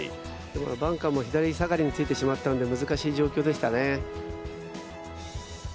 バンカーも左下がりについてしまったので難しい状況でしたね。